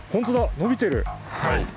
伸びてる。